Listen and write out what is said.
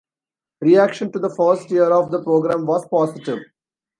Reaction to the first year of the program was positive.